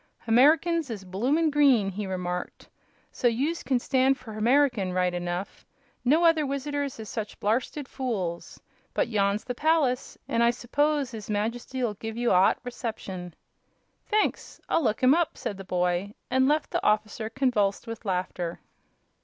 "Hamericans is bloomin' green," he remarked, "so youse can stand for Hamerican, right enough. No other wissitors is such blarsted fools. But yon's the palace, an' I s'pose 'is Majesty'll give ye a 'ot reception." "Thanks; I'll look him up," said the boy, and left the officer convulsed with laughter.